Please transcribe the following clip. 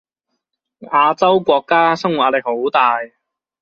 亞洲國家生活壓力好大